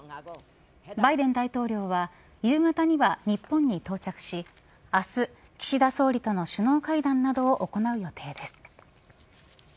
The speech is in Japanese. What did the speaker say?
バイデン大統領は夕方には日本に到着し明日、岸田総理との首脳会談などを行う予定です。